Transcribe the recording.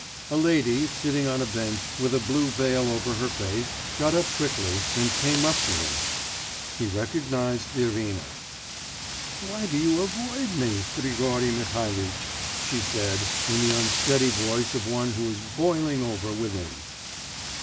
A lady, sitting on a bench, with a blue veil over her face, got up quickly, and came up to him.... He recognised Irina. 'Why do you avoid me, Grigory Mihalitch?' she said, in the unsteady voice of one who is boiling over within.